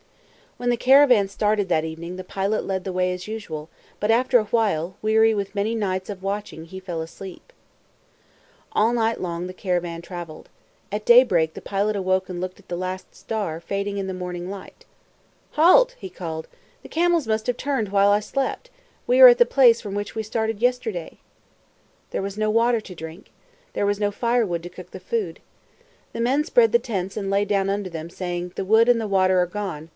When the caravan started that evening, the pilot led the way as usual, but after a while, weary with many nights of watching, he fell asleep. All night long the caravan traveled. At daybreak the pilot awoke and looked at the last star, fading in the morning light. "Halt!" he called. "The camels must have turned while I slept. We are at the place from which we started yesterday." There was no water to drink. There was no firewood to cook the food. The men spread the tents and lay down under them, saying, "The wood and the water are gone.